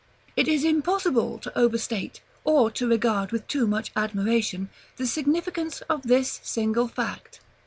It is impossible to overstate, or to regard with too much admiration, the significance of this single fact.